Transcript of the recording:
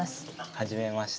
はじめまして。